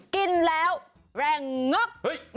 กินแล้วแรงงอก